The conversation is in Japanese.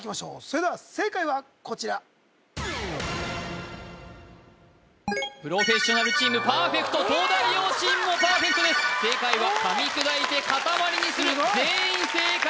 それでは正解はこちらプロフェッショナルチームパーフェクト東大王チームもパーフェクトです正解は噛み砕いて塊にする